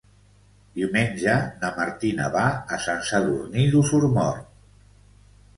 Diumenge na Martina va a Sant Sadurní d'Osormort.